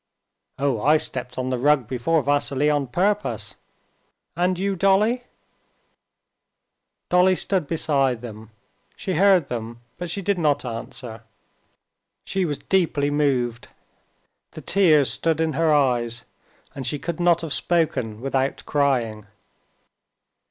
"Oh, I stepped on the rug before Vassily on purpose. And you, Dolly?" Dolly stood beside them; she heard them, but she did not answer. She was deeply moved. The tears stood in her eyes, and she could not have spoken without crying.